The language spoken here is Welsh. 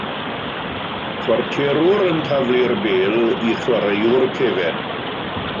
Chwarterwr yn taflu'r bêl i chwaraewr cefn.